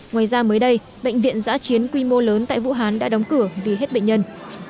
ngoài ra mới đây bệnh viện giã chiến quy mô lớn tại vũ hán đã đóng cửa vì hết bệnh nhân